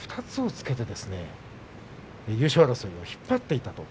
２つをつけて優勝争いを引っ張っていました。